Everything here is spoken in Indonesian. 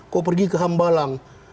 kok pergi ke hambalang